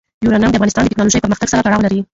یورانیم د افغانستان د تکنالوژۍ پرمختګ سره تړاو لري.